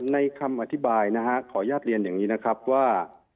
คำอธิบายนะฮะขออนุญาตเรียนอย่างนี้นะครับว่า